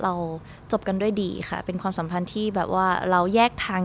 เราจบกันด้วยดีค่ะเป็นความสัมพันธ์ที่แบบว่าเราแยกทาง